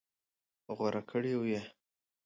غوره کړى وي.